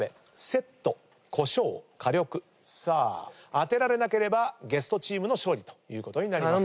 当てられなければゲストチームの勝利ということになります。